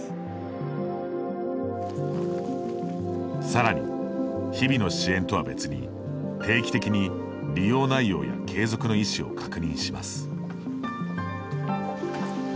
さらに、日々の支援とは別に定期的に利用内容や継続の意思を確認します。